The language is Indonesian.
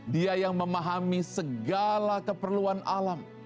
dia yang memahami segala keperluan alam